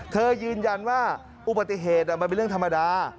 ยืนยันว่าอุบัติเหตุมันเป็นเรื่องธรรมดา